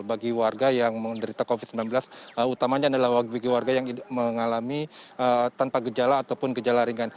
bagi warga yang menderita covid sembilan belas utamanya adalah bagi warga yang mengalami tanpa gejala ataupun gejala ringan